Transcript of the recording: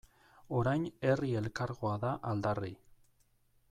Orain Herri Elkargoa da aldarri.